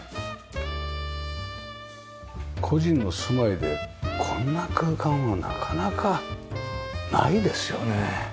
個人の住まいでこんな空間はなかなかないですよね。